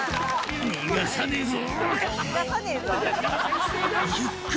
「逃がさねぇぞ」？